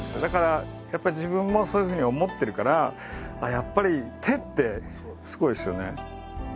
だからやっぱり自分もそういうふうに思ってるからやっぱり手ってすごいですよね。